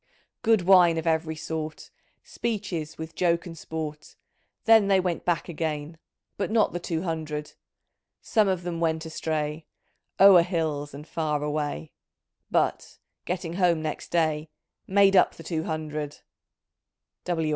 '' Good wme of every sort. Speeches with joke and sport ; Then they went back again. But not the two hundred. Some of them went astray. O'er hills and far away, But, getting home next day. Made up the two hundred."